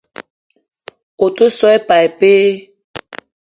Ou te so i pas ipee?